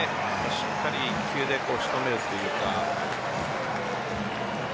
しっかり１球で仕留めるというか。